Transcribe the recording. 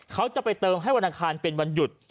เขาจะไปเติมให้วันอังคารเป็นวันหยุด